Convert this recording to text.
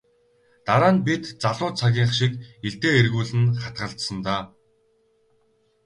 Дараа нь бидний залуу цагийнх шиг илдээ эргүүлэн хатгалцсан даа.